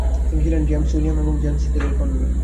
তিনি ছিলেন James William এবং জেন ডেলির কন্যা।